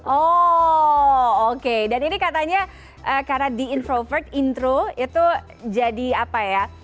oh oke dan ini katanya karena di introvert intro itu jadi apa ya